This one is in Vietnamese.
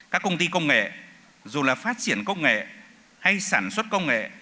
các công ty công nghệ dù là phát triển công nghệ hay sản xuất công nghệ